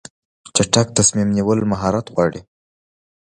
چټک تصمیم نیول مهارت غواړي.